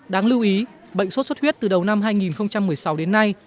đáng lưu ý bệnh suốt suốt huyết từ đầu năm hai nghìn một mươi sáu đến nay